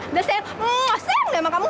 udah sayang muah sayang emang kamu